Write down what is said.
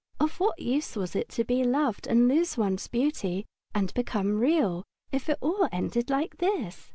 Of what use was it to be loved and lose one's beauty and become Real if it all ended like this?